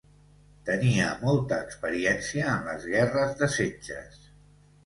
Tenia molta experiència en les guerres de setges.